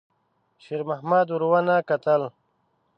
شېرمحمد ور ونه کتل.